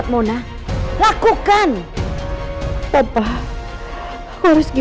papa jangan diam aja dong pa